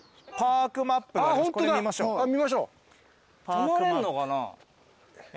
泊まれんのかな。